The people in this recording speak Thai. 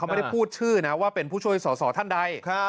ไม่ได้พูดชื่อนะว่าเป็นผู้ช่วยสอสอท่านใด